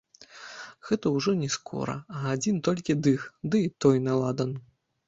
Гэта ўжо не скура, а адзін толькі дых, ды і той на ладан.